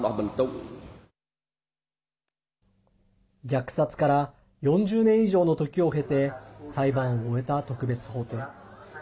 虐殺から４０年以上の時を経て裁判を終えた特別法廷。